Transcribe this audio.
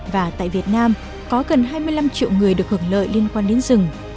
và tại việt nam có gần hai mươi năm triệu người được hưởng lợi liên quan đến rừng